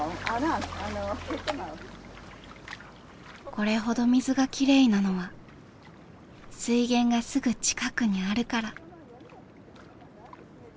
これほど水がきれいなのは水源がすぐ近くにあるから。